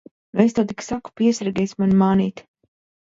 Nu, es tik tev saku, piesargies mani mānīt!